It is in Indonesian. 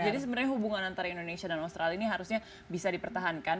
jadi sebenarnya hubungan antara indonesia dan australia ini harusnya bisa dipertahankan